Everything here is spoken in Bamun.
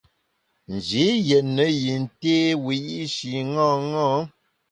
Nji yètne yin té wiyi’shi ṅaṅâ.